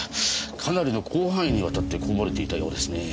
かなりの広範囲にわたってこぼれていたようですね。